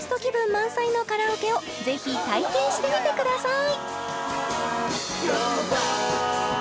満載のカラオケをぜひ体験してみてください